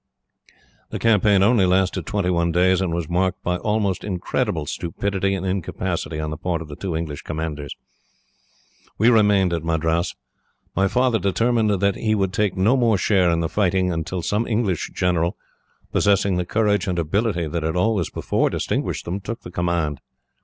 "The campaign only lasted twenty one days, and was marked by almost incredible stupidity and incapacity on the part of the two English commanders. We remained at Madras. My father determined that he would take no more share in the fighting until some English general, possessing the courage and ability that had always before distinguished them, took the command.